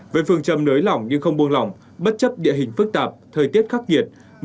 với phường trầm nới lỏng nhưng không buông lỏng bất chấp địa hình phức tạp thời tiết khắc nghiệt